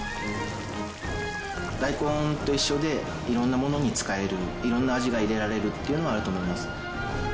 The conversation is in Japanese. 大根と一緒で色んなものに使える色んな味が入れられるっていうのはあると思います。